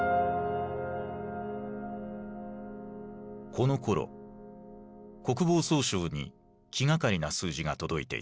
このころ国防総省に気がかりな数字が届いていた。